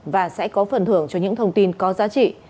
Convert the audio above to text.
và sẽ có phần thưởng cho những thông tin có giá trị